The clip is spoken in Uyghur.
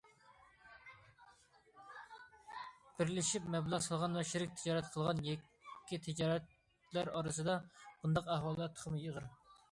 بىرلىشىپ مەبلەغ سالغان ۋە شېرىك تىجارەت قىلغان يەككە تىجارەتچىلەر ئارىسىدا بۇنداق ئەھۋاللار تېخىمۇ ئېغىر.